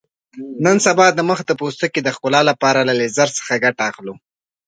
نن سبا د مخ د پوستکي د ښکلا لپاره له لیزر څخه ګټه اخلو.